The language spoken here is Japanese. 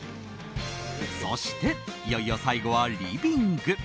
そして、いよいよ最後はリビング。